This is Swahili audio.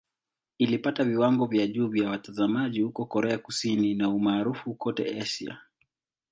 Ilipata viwango vya juu vya watazamaji huko Korea Kusini na umaarufu kote Asia.